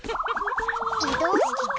移動式か。